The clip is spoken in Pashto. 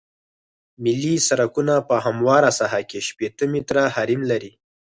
ملي سرکونه په همواره ساحه کې شپیته متره حریم لري